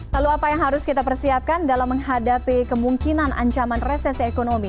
lalu apa yang harus kita persiapkan dalam menghadapi kemungkinan ancaman resesi ekonomi